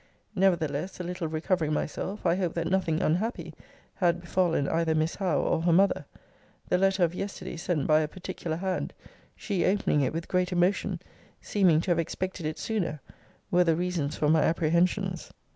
Nevertheless, a little recovering myself, I hoped that nothing unhappy had befallen either Miss Howe or her mother. The letter of yesterday sent by a particular hand: she opening it with great emotion seeming to have expected it sooner were the reasons for my apprehensions.